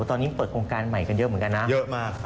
ตอนนี้เปิดโครงการใหม่กันเยอะเหมือนกันนะเยอะมาก